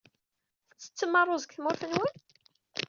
Tettettem ṛṛuz deg tmurt-nwen?